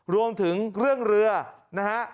รวมถึงเรื่องเรือนะฮะ